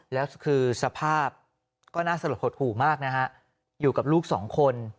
แล้วคือสภาพก็น่าสลดหดหู่มากนะฮะอยู่กับลูกสองคน